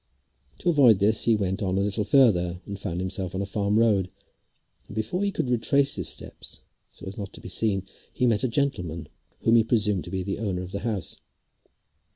To avoid this he went on a little further and found himself on a farm road, and before he could retrace his steps so as not to be seen, he met a gentleman whom he presumed to be the owner of the house.